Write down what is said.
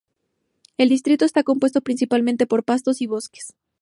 El distrito está compuesto principalmente por pastos y bosques.